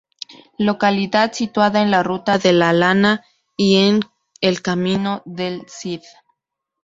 Localidad situada en la Ruta de la Lana y en el Camino del Cid.